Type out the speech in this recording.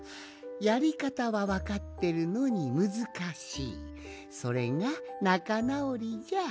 やりかたはわかってるのにむずかしいそれがなかなおりじゃ。